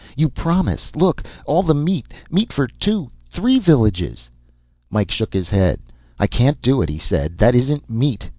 "You promise. Look all the meat. Meat for two, three villages." Mike shook his head. "I can't do it," he said. "That isn't meat.